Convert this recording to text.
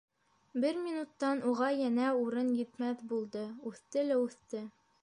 Бер минуттан уға йәнә урын етмәҫ булды — үҫте лә үҫте.